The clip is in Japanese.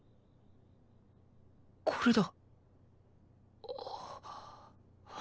これだ